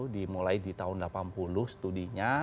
dimulai di tahun delapan puluh studinya